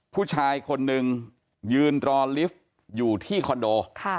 ผู้ชายคนนึงยืนรอลิฟต์อยู่ที่คอนโด